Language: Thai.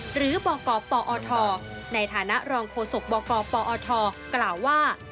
หรือบกปอทในฐานะรองโฆษกบกปอทกล่าวว่า